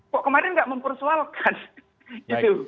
kok kemarin nggak mempersoalkan gitu